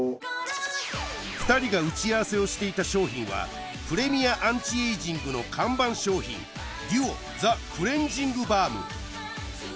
２人が打ち合わせをしていた商品はプレミアアンチエイジングの看板商品デュオ「ザクレンジングバーム」